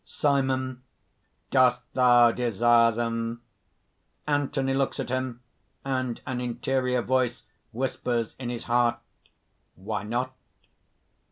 SIMON. "Dost thou desire them?" (_Anthony looks at him, and an interior voice whispers hi his heart: "Why not?"